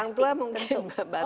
orang tua mungkin juga bapak